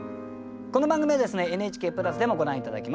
この番組はですねＮＨＫプラスでもご覧頂けます。